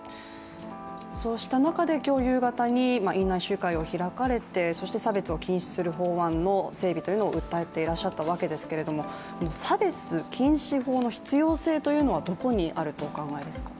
そうした中で今日夕方に院内集会が開かれてそして差別を禁止する法案の成立を訴えていたわけですけれども差別禁止法の必要性はどこにあるとお考えですか？